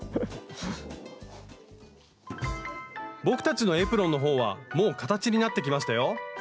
僕たちのエプロンの方はもう形になってきましたよ。